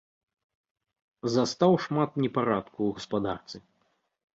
Застаў шмат непарадку ў гаспадарцы.